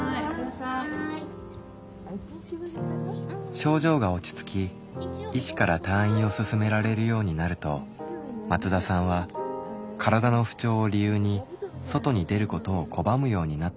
症状が落ち着き医師から退院を勧められるようになると松田さんは体の不調を理由に外に出ることを拒むようになったのです。